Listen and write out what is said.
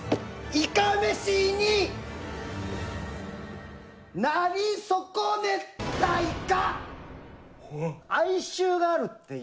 いかめしになりそこねたいか。